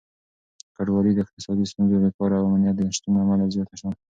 کډوالي د اقتصادي ستونزو، بېکاري او امنيت د نشتون له امله زياته شوه.